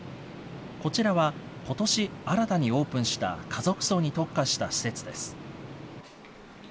こちらはことし新たにオープンした家族葬に特化した施設です。